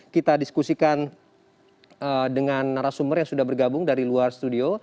kita diskusikan dengan narasumber yang sudah bergabung dari luar studio